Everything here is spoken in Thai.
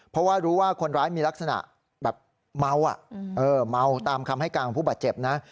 เพราะว่ารู้ว่าคนร้ายมีลักษณะแบบเมาเมาตามคำให้การของผู้บาดเจ็บนะ